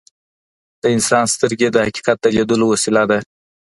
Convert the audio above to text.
د انسان سترګې د حقيقت د ليدلو وسيله ده.